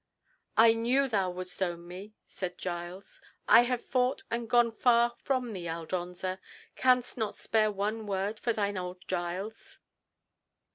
"I knew thou wouldst own me," said Giles. "I have fought and gone far from thee, Aldonza. Canst not spare one word for thine old Giles?"